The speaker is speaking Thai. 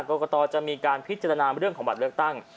กรกตจะมีการพิจารณาเรื่องของบัตรเลือกตั้ง